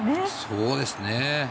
そうですね。